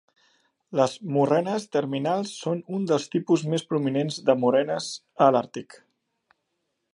Les morrenes terminals són un dels tipus més prominents de morrenes a l’Àrtic.